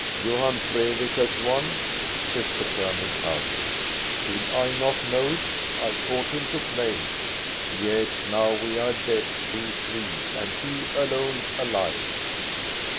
" Johan Fredrik has won," says the colonel, proudly. " Did I not know it? I taught him to play. Yes, now we are dead, we three, and he alone alive."